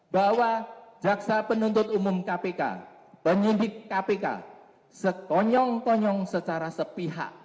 bahwa jaksa penuntut umum kpk penyidik kpk sekonyong konyong secara sepihak